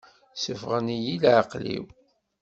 Ssufɣen-iyi i leεqel-iw.